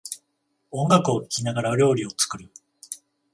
音楽を聴きながら料理を作る